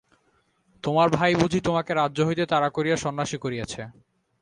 তোমার ভাই বুঝি তোমাকে রাজ্য হইতে তাড়া করিয়া সন্ন্যাসী করিয়াছে।